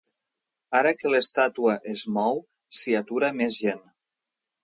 Ara que l'estàtua es mou, s'hi atura més gent.